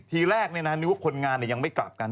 ทีแรกนึกว่าคนงานยังไม่กลับกัน